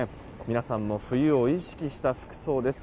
皆さんも冬を意識した服装です。